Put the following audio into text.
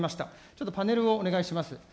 ちょっとパネルをお願いします。